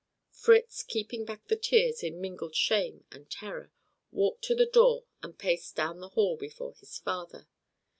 Fritz, keeping back the tears in mingled shame and terror, walked to the door and paced down the hall before his father.